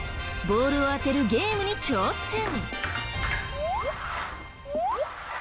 ボールを当てるゲームに挑戦！